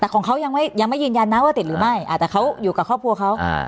แต่ของเขายังไม่ยังไม่ยืนยันนะว่าติดหรือไม่แต่เขาอยู่กับครอบครัวเขาอ่า